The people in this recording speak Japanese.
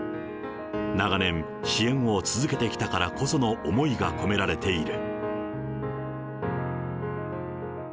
長年、支援を続けてきたからこその思いが込められている。